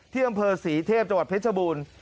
ที่อำเภอศรีเทพจังหวัดเพชรบูรณ์